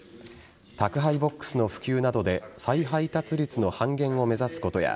宅配ボックスの普及などで再配達率の半減を目指すことや